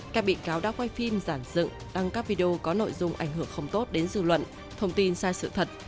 các bị cáo đã quay phim giảng dựng đăng các video có nội dung ảnh hưởng không tốt đến dư luận thông tin sai sự thật